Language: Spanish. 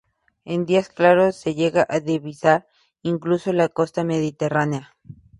En días claros se llega a divisar incluso la costa mediterránea.